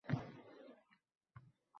Uylarimni tomosha qil, keyin ovqatlanamiz.